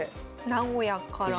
名古屋から。